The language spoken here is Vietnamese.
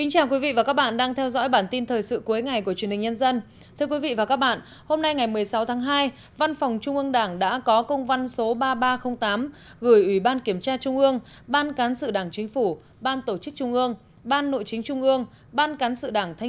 hãy đăng ký kênh để ủng hộ kênh của chúng mình nhé